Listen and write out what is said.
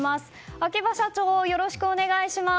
秋葉社長、よろしくお願いします。